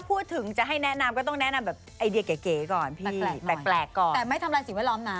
แปลกก่อนแต่ไม่ทำลายสีไวร้อมนะ